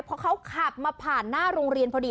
เพราะเขาขับมาผ่านหน้าโรงเรียนพอดี